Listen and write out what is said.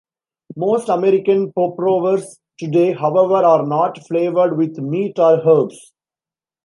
Most American popovers today, however, are not flavored with meat or herbs.